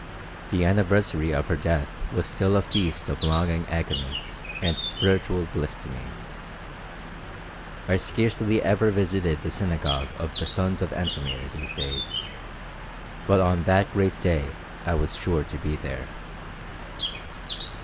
The anniversary of her death was still a feast of longing agony and spiritual bliss to me. I scarcely ever visited the synagogue of the Sons of Antomir these days, but on that great day I was sure to be there.